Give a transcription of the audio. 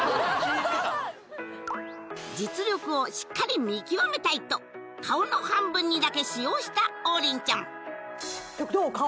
実力をしっかり見極めたいと顔の半分にだけ使用した王林ちゃんどう？